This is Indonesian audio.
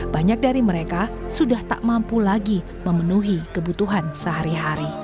banyak dari mereka sudah tak mampu lagi memenuhi kebutuhan sehari hari